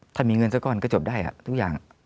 ถ้ามีเงินสักก้อนก็จบได้ทุกอย่าง